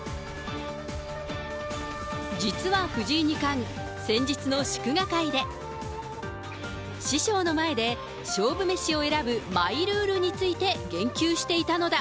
実は藤井二冠、先日の祝賀会で、師匠の前で、勝負メシを選ぶマイルールについて言及していたのだ。